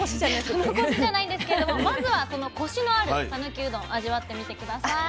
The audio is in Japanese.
その「こし」じゃないんですけれどもまずはそのコシのある讃岐うどん味わってみて下さい。